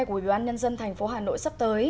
của ubnd tp hcm sắp tới